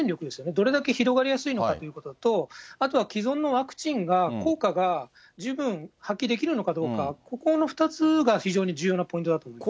どれだけ広がりやすいのかということと、あとは既存のワクチンが、効果が十分発揮できるのかどうか、ここの２つが非常に重要なポイントだと思います。